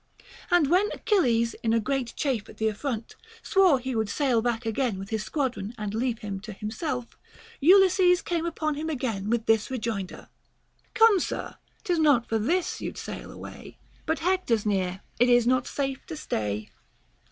And when Achilles, in a great chafe at the affront, swore he would sail back again with his squadron and leave him to himself, Ulysses came upon him again with this rejoinder: Come, sir, 'tis not for tin's you'd sail away ; But Hector's near, it is not safe to stay.